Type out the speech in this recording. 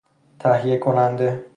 تهیه کننده